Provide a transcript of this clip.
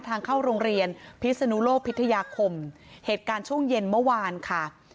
ทางเข้าโรงเรียนพิศนุโลกพิทยาคมเหตุการณ์ช่วงเย็นเมื่อวานค่ะ